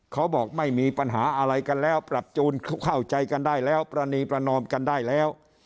เขาบอกไม่มีปัญหาอะไรกันแล้วปรับจูนเข้าใจกันได้แล้วประนีประนอมกันได้แล้ว